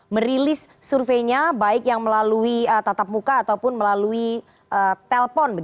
merilis surveinya baik yang melalui tatap muka ataupun melalui telpon